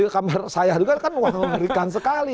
kamar saya juga kan wang merikan sekali